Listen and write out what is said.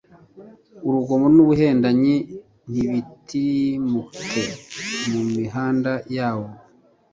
urugomo n'ubuhendanyi ntibitirimuke mu mihanda yawo